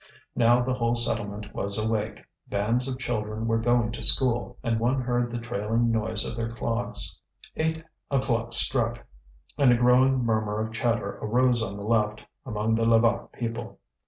Now the whole settlement was awake, bands of children were going to school, and one heard the trailing noise of their clogs. Eight o'clock struck, and a growing murmur of chatter arose on the left, among the Levaque people.